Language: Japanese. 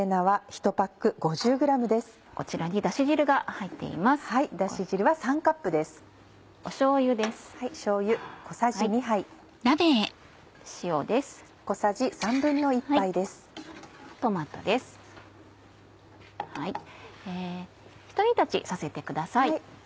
ひと煮立ちさせてください。